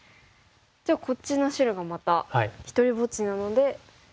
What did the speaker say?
じゃあこっちの白がまた独りぼっちなので。